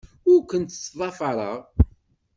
Ur kent-ttḍafareɣ.